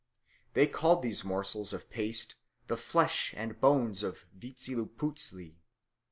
They called these morsels of paste the flesh and bones of Vitzilipuztli.